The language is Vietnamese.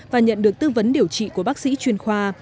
và nhận được tư vấn điều trị của bác sĩ chuyên khoa